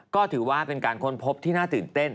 ก็ถือว่าเป็นการค้นพบที่น่าตื่นเต้น